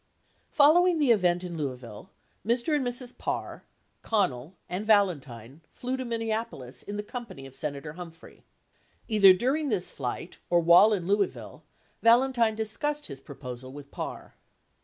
7 Following the event in Louisville, Mr. and Mrs. Parr, Connell, and Valentine flew to Minneapolis in the company of Senator Hum phrey. Either during this flight, or while in Louisville, Valentine dis cussed his proposal with Parr.